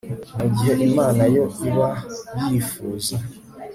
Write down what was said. mu gihe imana yo iba yifuza